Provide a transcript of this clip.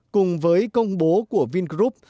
cùng với công bố của vingroup